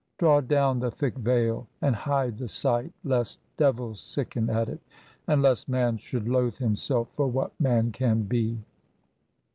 Draw down the thick veil and hide the sight, lest devils sicken at it, and lest man should loathe himself for what man can be.